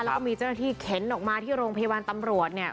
แล้วก็มีเจ้าหน้าที่เข็นออกมาที่โรงพยาบาลตำรวจเนี่ย